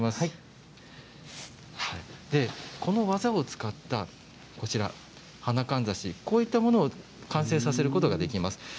この技を使った花かんざしこういったものを完成させることができます。